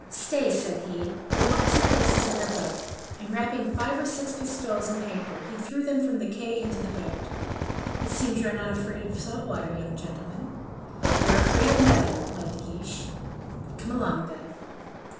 "Stay," said he: "we want two places in your boat;" and wrapping five or six pistoles in paper, he threw them from the quay into the boat. "It seems you are not afraid of salt water, young gentlemen." "We are afraid of nothing," replied De Guiche. "Come along, then."